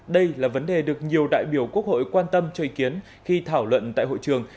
đây là vấn đề được nhiều đại biểu quốc hội quan tâm cho ý kiến khi thảo luận tại hội trường